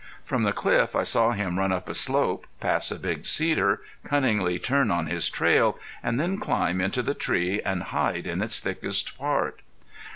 From the cliff I saw him run up a slope, pass a big cedar, cunningly turn on his trail, and then climb into the tree and hide in its thickest part.